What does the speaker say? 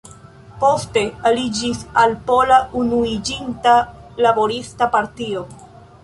Poste aliĝis al Pola Unuiĝinta Laborista Partio.